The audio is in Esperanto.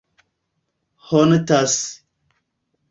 hontas